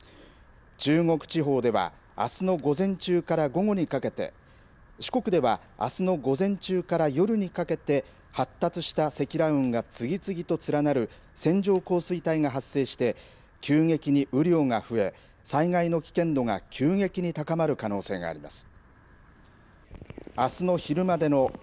中国地方ではあすの午前中から午後にかけて四国ではあすの午前中から夜にかけて発達した積乱雲が次々と連なる線状降水帯が発生して急激に雨量が増え災害の危険度が急激に高まる可能性があります。